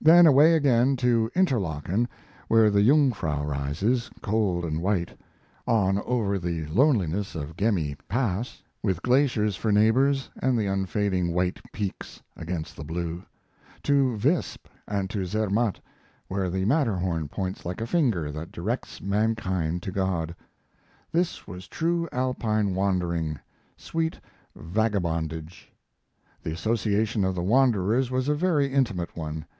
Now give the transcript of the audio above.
Then away again to Interlaken, where the Jungfrau rises, cold and white; on over the loneliness of Gemini Pass, with glaciers for neighbors and the unfading white peaks against the blue; to Visp and to Zermatt, where the Matterhorn points like a finger that directs mankind to God. This was true Alpine wandering sweet vagabondage. The association of the wanderers was a very intimate one.